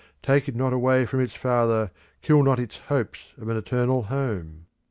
Take it not away from its father, kill not its hopes of an eternal home!